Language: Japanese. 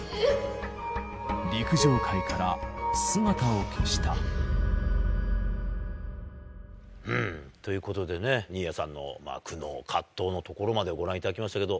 陸上界から姿を消した。ということでね、新谷さんの苦悩、葛藤のところまでご覧いただきましたけど。